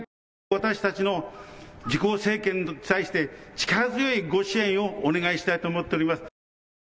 私たちの自公政権に対して力強いご支援をお願いしたいと思っております。